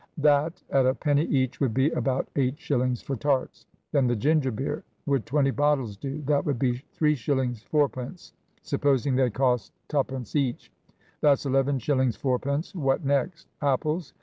That at a penny each would be about 8 shillings for tarts. Then the ginger beer. Would twenty bottles do? That would be 3 shillings 4 pence, supposing they cost 2 pence each. That's 11 shillings 4 pence. What next? Apples?